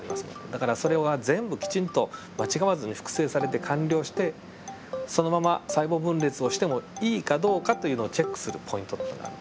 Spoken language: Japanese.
だからそれは全部きちんと間違わずに複製されて完了してそのまま細胞分裂をしてもいいかどうかっていうのをチェックするポイントっていうのがある。